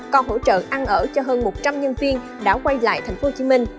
còn hỗ trợ ăn ở cho hơn một trăm linh nhân viên đã quay lại thành phố hồ chí minh